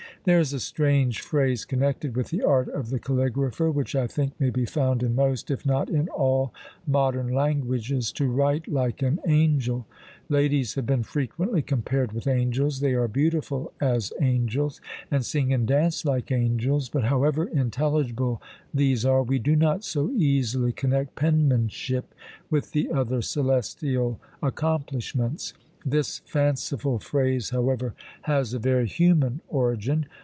There is a strange phrase connected with the art of the caligrapher, which I think may be found in most, if not in all modern languages, to write like an angel! Ladies have been frequently compared with angels; they are beautiful as angels, and sing and dance like angels; but, however intelligible these are, we do not so easily connect penmanship with the other celestial accomplishments. This fanciful phrase, however, has a very human origin.